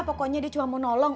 pokoknya dia cuma mau nolong